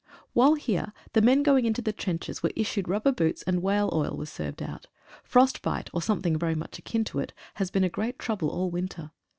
While here the men going into the trenches were issued rubber boots, and whale oil was served out. Frost bite, or something very much akin to it, has been a great trouble all winter.